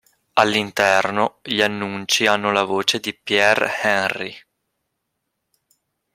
All'interno, gli annunci hanno la voce di Pierre Henry.